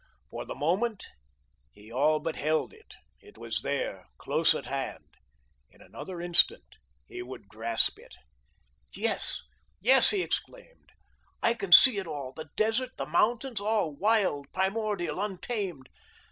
For the moment, he all but held it. It was there, close at hand. In another instant he would grasp it. "Yes, yes," he exclaimed, "I can see it all. The desert, the mountains, all wild, primordial, untamed.